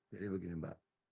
jadi begini mbak